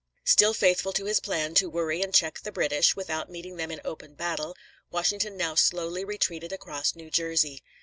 Still faithful to his plan to worry and check the British, without meeting them in open battle, Washington now slowly retreated across New Jersey.